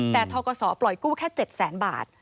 แต่ทอกสปล่อยกู้แค่๗๐๐๐๐๐บาท